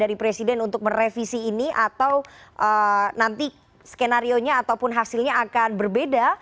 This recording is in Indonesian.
dari presiden untuk merevisi ini atau nanti skenario nya ataupun hasilnya akan berbeda